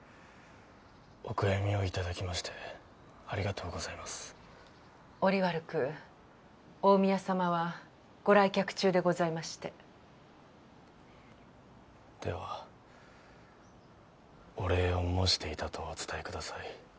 お悔やみをいただきましてありがとうございます折悪く大宮さまはご来客中でございましてではお礼を申していたとお伝えください